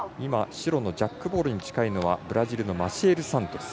白のジャックボールに近いのはブラジルのマシエル・サントス。